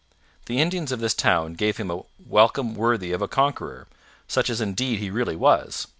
The Indians of this town gave him a welcome worthy of a conqueror, such as indeed he really was.